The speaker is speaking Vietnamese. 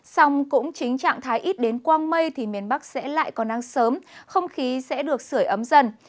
xong cũng chính trạng thái ít đến quang mây thì miền bắc sẽ lại còn nắng sớm không khí sẽ được sửa ấm dần